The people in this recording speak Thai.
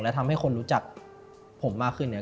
และทำให้คนรู้จักผมมากขึ้นเนี่ย